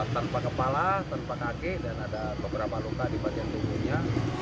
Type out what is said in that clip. tanpa kepala tanpa kaki dan ada beberapa luka di bagian tubuhnya